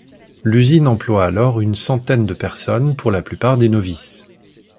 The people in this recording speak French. L'usine emploie alors une centaine de personnes, pour la plupart des novices.